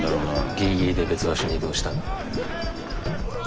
ギリギリで別場所に移動したので。